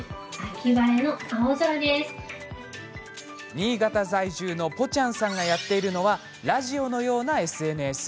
新潟在住のぽちゃんさんがやっているのはラジオのようなＳＮＳ。